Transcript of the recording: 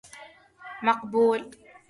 مقبول